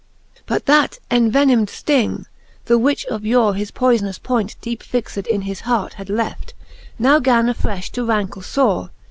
XXXI. But that envenimd fting, the which of yore His poyfiious point deepe fixed in his hart Had left, now gan afrefli to rancle fore.